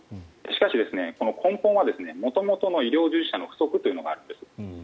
しかし、根本は元々の医療従事者の不足というのがあるんです。